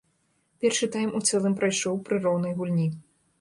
Першы тайм у цэлым прайшоў пры роўнай гульні.